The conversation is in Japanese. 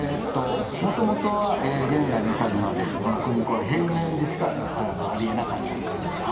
もともとは現在に至るまでこの組子は平面でしかありえなかったんです。